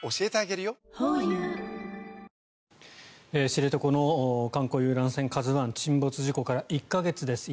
知床の観光遊覧船「ＫＡＺＵ１」の沈没事故から１か月です。